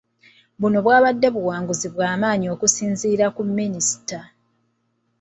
Buno bwabadde buwanguzi bwa maanyi okusinziira ku minisita.